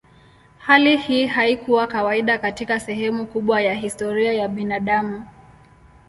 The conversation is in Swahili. Hali hii haikuwa kawaida katika sehemu kubwa ya historia ya binadamu.